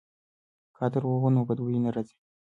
که عطر ووهو نو بد بوی نه راځي.